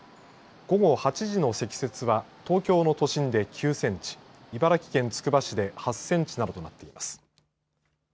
午後８時の積雪は東京の都心で９センチ茨城県つくば市で８センチなどとなっています。